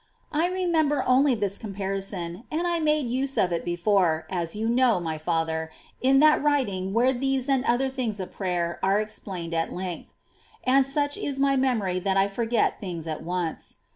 I remember only this comparison, and I made use of it before, as you know, my father, in that writing where these and other ways of prayer are explained at length, i and such is my memory that I forget things at once.